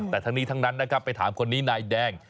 แต่ทั้งนี้ทั้งนั้นนะครับไปถามคนนี้นายแดง